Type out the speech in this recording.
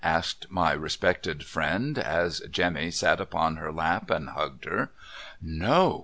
' asked my respected friend, as Jemmy sat upon her lap and hugged her. * No